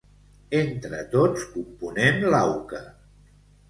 Entre tots componem l'auca.